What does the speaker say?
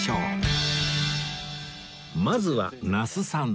まずは那須さん